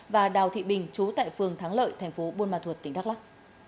và đào thị bình chú tại phường thắng lợi tp buôn ma thuật tỉnh đắk lắk